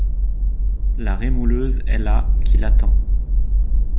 La rémouleuse est là qui l’attend.